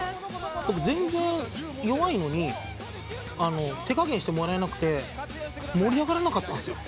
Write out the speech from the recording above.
僕全然弱いのに手加減してもらえなくて盛り上がらなかったんですよ。